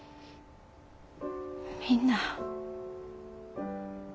みんな。